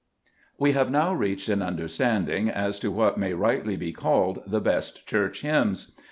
We have now reached an understanding as to what may rightly be called "The best Church hymns."